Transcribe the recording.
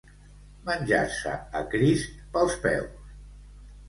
Menjar-se a Crist pels peus.